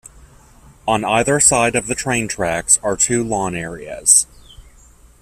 On either side of the train tracks are two lawn areas.